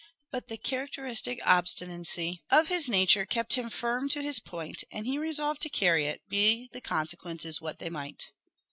But the characteristic obstinacy of his nature kept him firm to his point, and he resolved to carry it, be the consequences what they might.